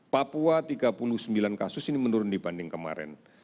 papua tiga puluh sembilan kasus ini menurun dibanding kemarin